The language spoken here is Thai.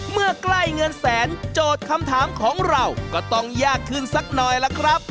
เมื่อใกล้เงินแสนโจทย์คำถามของเราก็ต้องยากขึ้นสักหน่อยล่ะครับ